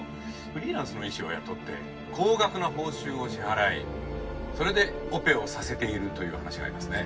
「フリーランスの医師を雇って高額な報酬を支払いそれでオペをさせているという話がありますね」